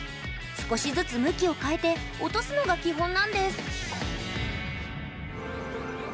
少しずつ向きを変えて落とすのが基本なんです。